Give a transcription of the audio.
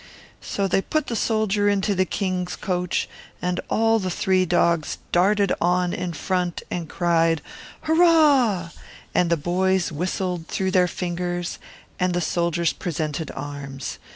So they placed the soldier in the king's carriage, and the three dogs ran on in front and cried "Hurrah!" and the little boys whistled through their fingers, and the soldiers presented arms.